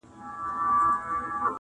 • قرباني بې وسه پاتې کيږي تل,